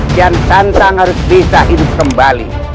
kian santang harus bisa hidup kembali